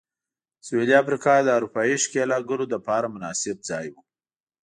سوېلي افریقا د اروپايي ښکېلاکګرو لپاره مناسب ځای و.